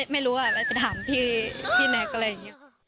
ไม่รู้อะไรไปถามพี่แน็กอะไรอย่างนี้